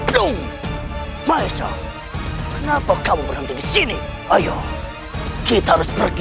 jangan merenungkan amuk maruk